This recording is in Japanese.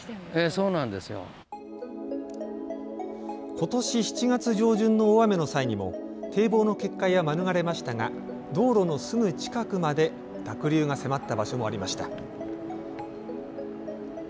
今年７月上旬の大雨の際にも堤防の決壊は免れましたが道路のすぐ近くまで濁流が迫った場所もありました。